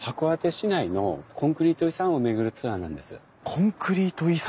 コンクリート遺産！